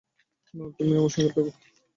না, তুমি আমার সঙ্গে থাকো।